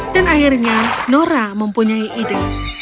dan akhirnya nora mempunyai ide